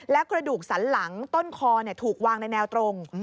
แล้วกระดูกสันหลังต้นคอถูกวางในแนวตรง